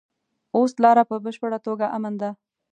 اوس لاره په بشپړه توګه امن ده.